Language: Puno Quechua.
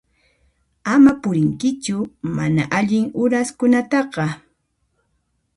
Ama purinkichu mana allin uraskunataqa.